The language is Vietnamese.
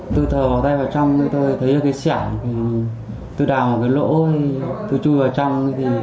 thấy cái sẻng tôi đào một cái lỗ tôi chui vào trong